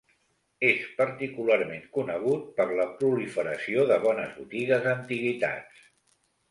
És particularment conegut per la proliferació de bones botigues d'antiguitats.